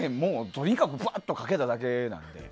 とにかく、ぶわっとかけただけなので。